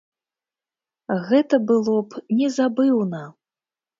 Гэта было б незабыўна!